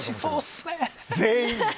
全員。